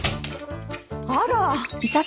あら！？